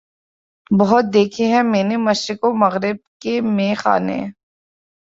بہت دیکھے ہیں میں نے مشرق و مغرب کے مے خانے